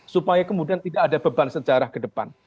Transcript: supaya kemudian tidak ada beban sejarah ke depan